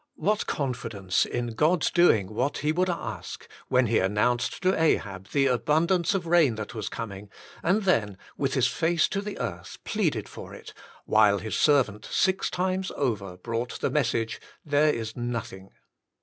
What confidence in God's doing what he would ask, when he announced to Ahab the abun dance of rain 'that was coming, and then, with his face to the earth, pleaded for it, while his servant, six times over, brought the message, "There is nothing.'